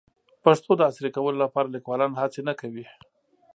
د پښتو د عصري کولو لپاره لیکوالان هڅې نه کوي.